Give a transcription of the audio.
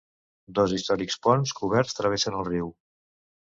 Dos històrics ponts coberts travessen el riu.